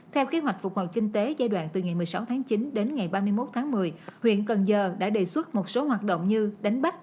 theo kế hoạch phục hồi kinh tế giai đoạn từ ngày một mươi sáu tháng chín đến ngày ba mươi một tháng một mươi huyện cần giờ đã đề xuất một số hoạt động như đánh bắt